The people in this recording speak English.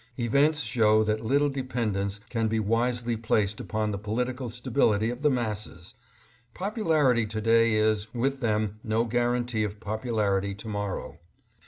Events show that little dependence can be wisely placed upon the political stability of the masses. Popularity to day is, with them, no guaranty of popularity to morrow.